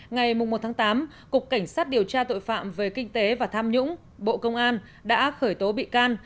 ngày một tám cục cảnh sát điều tra tội phạm về kinh tế và tham nhũng bộ công an đã khởi tố bị can